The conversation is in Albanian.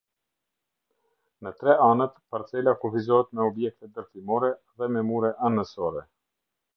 Në tre anët parcela kufizohet me objekte ndërtimore, dhe me mure anësore.